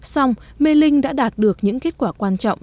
xong mê linh đã đạt được những kết quả quan trọng